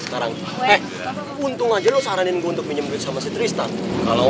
sekarang eh untung aja lo saranin gue untuk minum sama si tristan kalau